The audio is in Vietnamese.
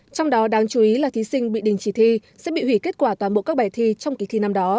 trong đó đáng chú ý là thí sinh bị đình chỉ thi sẽ bị hủy kết quả toàn bộ các bài thi trong kỳ thi năm đó